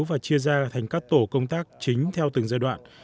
và chia ra thành các tổ công tác chính theo từng giai đoạn